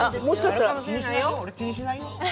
気にしないよ。